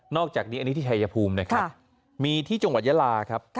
อกจากนี้อันนี้ที่ชายภูมินะครับมีที่จังหวัดยาลาครับ